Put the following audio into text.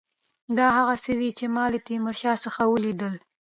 دا هغه څه دي چې ما له تیمورشاه څخه ولیدل.